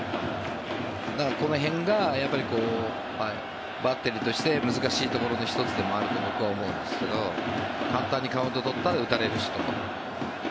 この辺がバッテリーとして難しいところの１つでもあると僕は思うんですけど簡単にカウント取ったら打たれるしと。